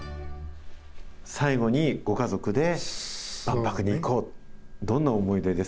最後にご家族で万博に行こう。